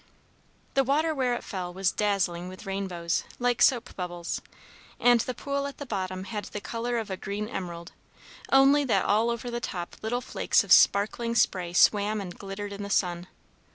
The water where it fell was dazzling with rainbows, like soap bubbles; and the pool at the bottom had the color of a green emerald, only that all over the top little flakes of sparkling spray swam and glittered in the sun.